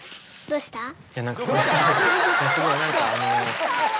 すごい何かあの。